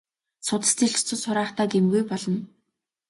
Судас тэлж цус хураахдаа гэмгүй болно.